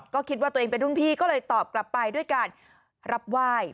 ก็คิดว่าตัวเองเป็นรุ่นพี่ก็เลยตอบกลับไปด้วยการรับไหว้